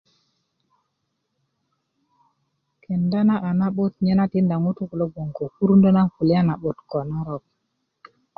Kenda na a na'but 'yena tinda ŋutuú kuló gboŋ ko kurundä na kulya na 'but kó narok